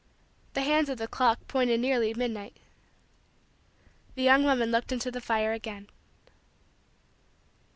The hands of the clock pointed nearly midnight. The young woman looked into the fire again.